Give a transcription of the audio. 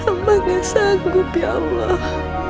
hamba gak sanggup ya allah